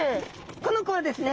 この子はですね